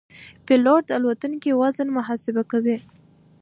پیلوټ د الوتکې وزن محاسبه کوي.